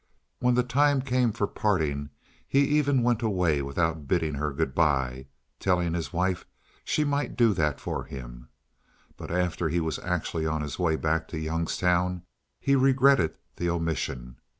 When the time came for parting he even went away without bidding her good by, telling his wife she might do that for him; but after he was actually on his way back to Youngstown he regretted the omission.